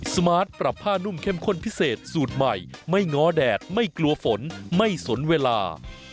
สวัสดีค่ะพร้าวใส่ไข่สุดใหม่ไม่ง้อแดดไม่กลัวฝนไม่สนเวลา